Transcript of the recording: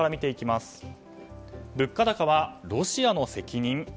物価高はロシアの責任？